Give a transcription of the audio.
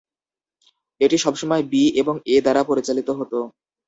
এটি সবসময় বি এবং এ দ্বারা পরিচালিত হত।